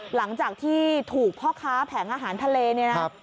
หลังจากที่ถูกพ่อค้าแผงอาหารทะเลเนี่ยนะ